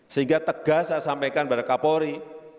sehingga tegas saya sampaikan pada kapolri